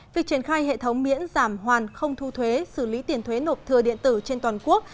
việc triển khai hệ thống miễn giảm hoàn không thu thuế xử lý tiền thuế nộp thừa điện tử trên toàn quốc